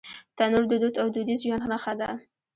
تنور د دود او دودیز ژوند نښه ده